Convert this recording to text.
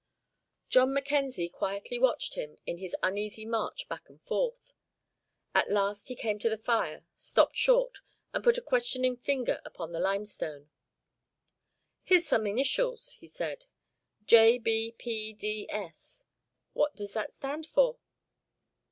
John Mackenzie quietly watched him in his uneasy march back and forth. At last he came to the fire, stopped short, and put a questioning finger upon the limestone. "Here's some initials," he said. "J. B. P. D. S. what does that stand for?"